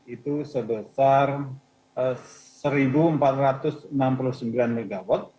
itu sebesar satu empat ratus enam puluh sembilan mw